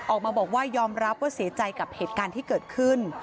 ออกมาบอกว่ายอมรับว่าเสียใจกับเหตุการณ์ที่เกิดขึ้น